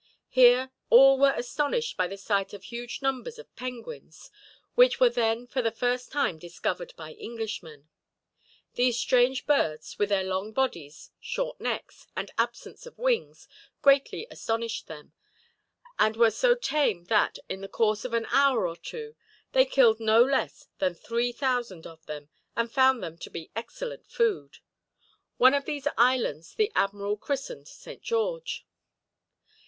Here all were astonished by the sight of huge numbers of penguins, which were then for the first time discovered by Englishmen. These strange birds, with their long bodies, short necks, and absence of wings, greatly astonished them; and were so tame that, in the course of an hour or two, they killed no less than three thousand of them, and found them to be excellent food. One of these islands the admiral christened Saint George.